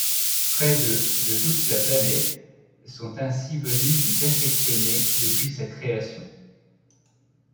Près de de toute la planète sont ainsi venus s'y perfectionner depuis sa création.